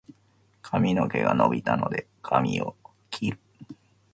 髪の毛が伸びたので、髪を切る。